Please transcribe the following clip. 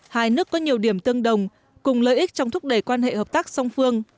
hai nước có nhiều điểm tương đồng cùng lợi ích trong thúc đẩy quan hệ hợp tác song phương